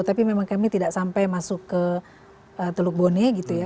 tapi memang kami tidak sampai masuk ke teluk bone gitu ya